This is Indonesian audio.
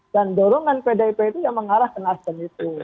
dan dorongan pdip itu yang mengarah ke nasdem